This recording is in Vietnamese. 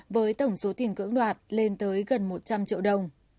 với tổng số tiền cưỡng đoạt lên tới gần một trăm linh triệu đồng